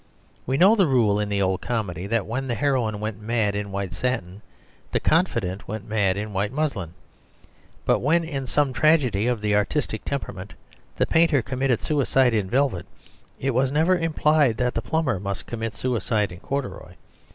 We know the rule in the old comedy, that when the heroine went mad in white satin, the confidante went mad in white muslin. But when, in some tragedy of the artistic temperament, the painter com mitted suicide in velvet, it was never implied that the plumber must commit suicide in cor duroy.